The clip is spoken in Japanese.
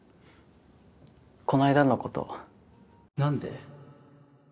この間のことなんで？